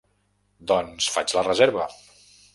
Doncs faig la reserva!